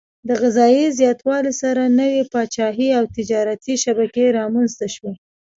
د غذايي زیاتوالي سره نوي پاچاهي او تجارتي شبکې رامنځته شوې.